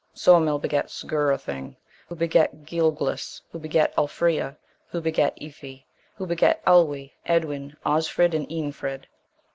Soemil begat Sguerthing, who begat Giulglis, who begat Ulfrea, who begat Iffi, who begat Ulli, Edwin, Osfrid and Eanfrid.